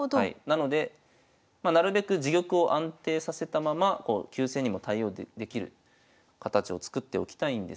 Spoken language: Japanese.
なのでなるべく自玉を安定させたまま急戦にも対応できる形を作っておきたいんですが。